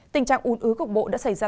tình trạng un ứa cục bộ đã xảy ra